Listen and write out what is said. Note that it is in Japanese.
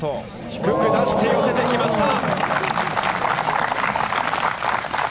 低く出して寄せてきました。